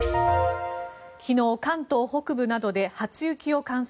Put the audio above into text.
昨日、関東北部などで初雪を観測。